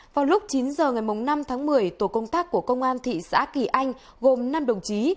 vào lúc chín h ngày năm tháng một mươi tổ công tác của công an thị xã kỳ anh gồm năm đồng chí